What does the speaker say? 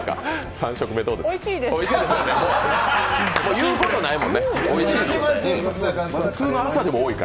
３食目どうですか？